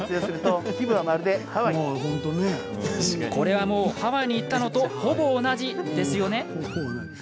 これはもうハワイに行ったのとほぼ、同じですよね？